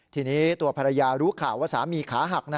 ทีนี้ตัวภรรยารู้ข่าวว่าสามีขาหัก